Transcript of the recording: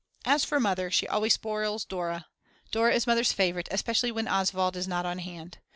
As for Mother, she always spoils Dora; Dora is Mother's favourite, especially when Oswald is not on hand.